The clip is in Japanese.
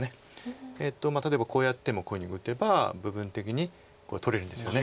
例えばこうやってもこういうふうに打てば部分的に取れるんですよね。